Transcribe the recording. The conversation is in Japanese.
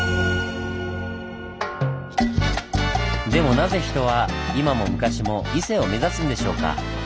でもなぜ人は今も昔も伊勢を目指すんでしょうか？